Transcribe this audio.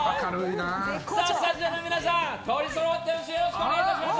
スタジオの皆さん取りそろってますよ！